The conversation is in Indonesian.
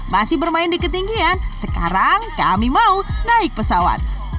masih bermain di ketinggian sekarang kami mau naik pesawat